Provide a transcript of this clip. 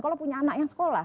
kalau punya anak yang sekolah